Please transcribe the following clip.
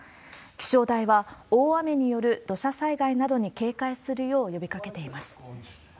気象台は、大雨による土砂災害などに警戒するよう呼びかけています。